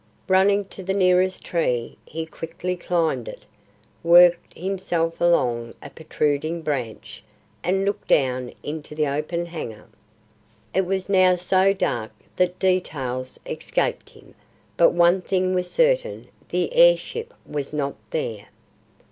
Running to the nearest tree, he quickly climbed it, worked himself along a protruding branch and looked down into the open hangar. It was now so dark that details escaped him, but one thing was certain. The air ship was not there.